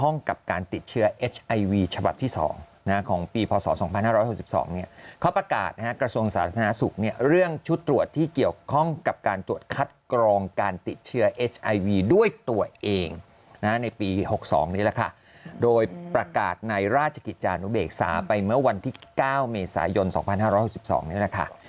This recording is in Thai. ในปี๖๒นี้แหละค่ะโดยประกาศในราชกิจจานุเบกษาไปเมื่อวันที่๙เมษายน๒๕๖๒นี้แหละค่ะ